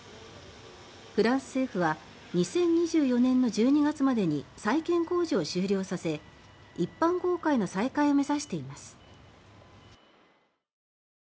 フランス政府は２０２４年の１２月までに再建工事を終了させ一般公開の再開を目指しています。